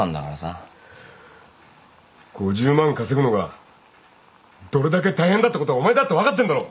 ５０万稼ぐのがどれだけ大変だってことはお前だって分かってんだろ。